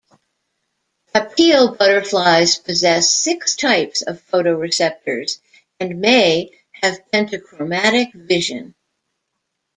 Papilio butterflies possess six types of photoreceptors and may have pentachromatic vision.